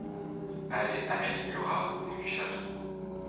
Allée Amélie Murat, Pont-du-Château